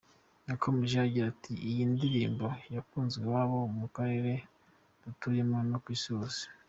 Yakomeje agira ati, Iyi ndirimbo yakunzwe iwabo, mu karere dutuyemo no ku isi hose.